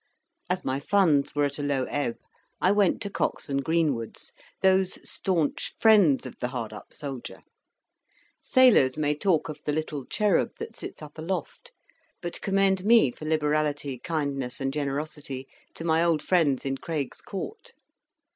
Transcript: As my funds were at a low ebb, I went to Cox and Greenwood's, those staunch friends of the hard up soldier. Sailors may talk of the "little cherub that sits up aloft," but commend me for liberality, kindness, and generosity, to my old friends in Craig's Court.